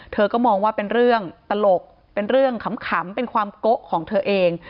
เธอก็มองว่าเป็นเรื่องตลกเป็นเรื่องขำเป็นความโกะของเธอเอง